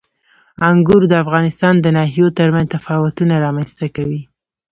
انګور د افغانستان د ناحیو ترمنځ تفاوتونه رامنځته کوي.